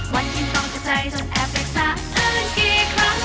วันทีมต้องจัดใจจนแอบเด็กซ่าเอิ้นกี่ครั้ง